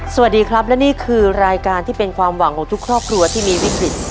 สวัสดีครับและนี่คือรายการที่เป็นความหวังของทุกครอบครัวที่มีวิกฤต